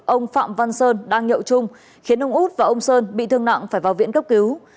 ông phạm văn sơn đang nhậu chung khiến ông út và ông sơn bị thương nặng phải vào viện cấp cứu